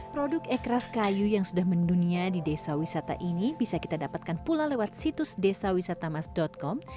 produk ekraf kayu yang sudah mendunia di desa wisata ini bisa kita dapatkan pula lewat situs desa wisatamas com